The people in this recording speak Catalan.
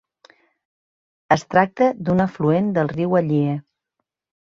Es tracta d'un afluent del riu Allier.